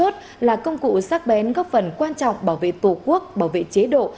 cơ quan chốt là công cụ sắc bén góp phần quan trọng bảo vệ tổ quốc bảo vệ chế độ